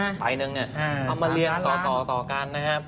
เอาก็มาเรียงต่อต่อกันนะครับ